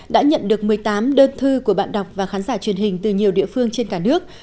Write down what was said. đã nhận được một mươi tám đơn thư của bạn đọc và khán giả truyền hình từ nhiều địa phương trên cả nước